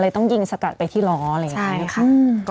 ต้องยิงสกัดไปที่ล้ออะไรอย่างนี้ใช่ไหมคะ